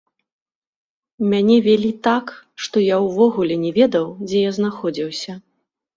Мяне вялі так, што я ўвогуле не ведаў, дзе я знаходзіўся.